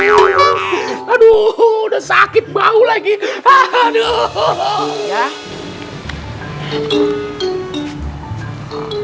udah aduh udah sakit bau lagi aduh